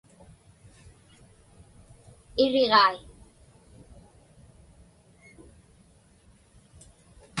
Iriġai.